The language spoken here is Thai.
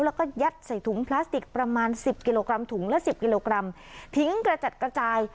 แล้วก็ยัดใส่ถุงพลาสติกประมาณสิบกิโลกรัมถุงละสิบกิโลกรัมทิ้งกระจัดกระจาย